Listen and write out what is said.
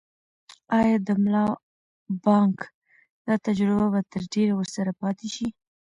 آیا د ملا بانګ دا تجربه به تر ډېره ورسره پاتې شي؟